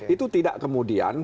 itu tidak kemudian